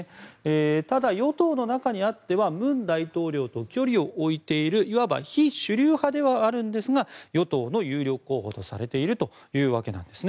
ただ、与党の中にあっては文大統領と距離を置いているいわば非主流派ではあるんですが与党の有力候補とされているというわけなんです。